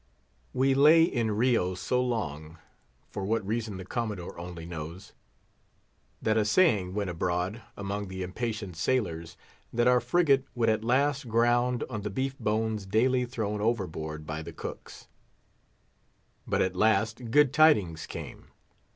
We lay in Rio so long—for what reason the Commodore only knows—that a saying went abroad among the impatient sailors that our frigate would at last ground on the beef bones daily thrown overboard by the cooks. But at last good tidings came.